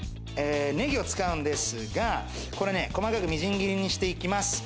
ネギを使うんですが、これね、細かくみじん切りにしていきます。